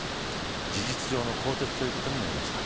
事実上の更迭ということになりました。